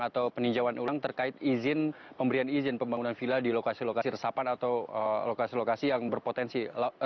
atau peninjauan ulang terkait izin pemberian izin pembangunan villa di lokasi lokasi resapan atau lokasi lokasi yang berpotensi